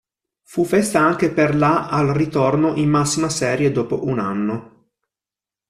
Fu festa anche per la al ritorno in massima serie dopo un anno.